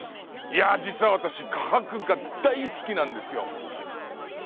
いや実は私科博が大好きなんですよ。